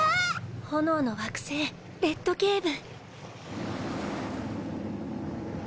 炎の惑星レッドケイブ。